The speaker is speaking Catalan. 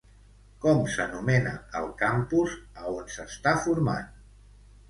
Com s'anomena el campus a on s'està formant?